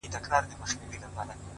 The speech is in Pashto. دا ستا په ياد كي بابولاله وايم،